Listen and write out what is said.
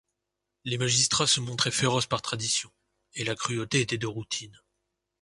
Les magistrats se montraient féroces par tradition, et la cruauté était de routine.